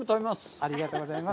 ありがとうございます。